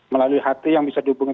melalui hati yang bisa dihubungi